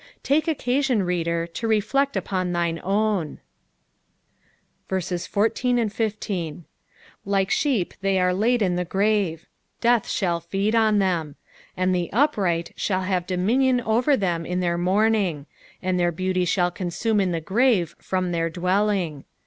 Take occaaioo, reader, to reflect upoa thine own. 14 Like sheep they are laid in the grave ; death shall feed on ,)glc 416 EZFOSITIOKS OF THB FaALKS. them ; and the upright shall have dominion over them in the morning ; and their beauty shall consume in the grave from their dwelling.